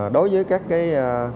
đối với các cái